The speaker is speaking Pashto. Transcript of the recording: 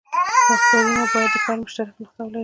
وکتورونه باید د پیل مشترکه نقطه ولري.